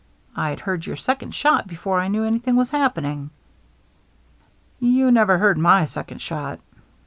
I'd heard your second shot before I knew anything was happening." " You never heard my second shot."